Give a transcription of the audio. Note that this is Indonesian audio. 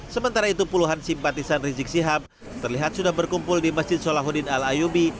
sementara itu puluhan simpatisan rizik sihab terlihat sudah berkumpul di masjid solahuddin al ayubi